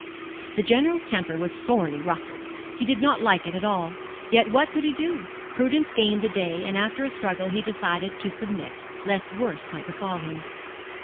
The General's temper was sorely ruffled. He did not like it at all; yet what could he do? Prudence gained the day, and after a struggle he decided to submit, lest worse might befall him.